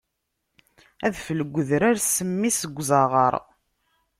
Adfel deg udrar, ssemm-is deg uẓaɣar.